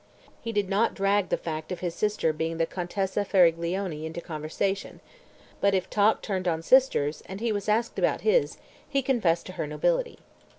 He did not drag the fact of his sister being the Contessa Faraglione into conversation, but if talk turned on sisters, and he was asked about his, he confessed to her nobility.